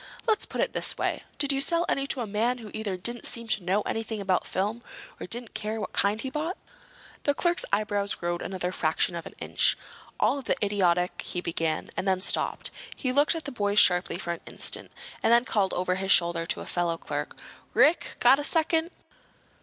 "Let's put it this way. Did you sell any to a man who either didn't seem to know anything about film, or who didn't care what kind he bought?" The clerk's eyebrows rose another fraction of an inch. "Of all the idiotic—" he began, and then stopped. He looked at the boys sharply for an instant, and then called over his shoulder to a fellow clerk. "Rick! Got a second?"